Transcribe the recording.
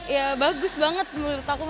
ya bagus banget menurut aku